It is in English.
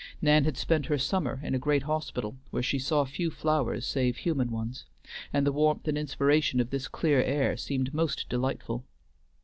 Nan had spent her summer in a great hospital, where she saw few flowers save human ones, and the warmth and inspiration of this clear air seemed most delightful.